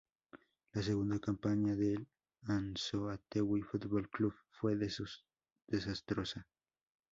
La segunda campaña del Anzoátegui Fútbol Club fue desastrosa.